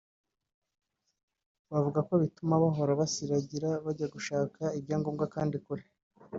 bavuga ko bituma bahora basiragira bajya gushaka ibyangombwa kandi kure